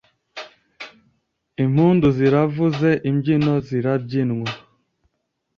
impundu zaravuze, imbyino zirabyinwa